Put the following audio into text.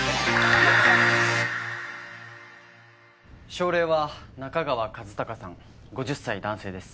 症例は仲川一貴さん５０歳男性です。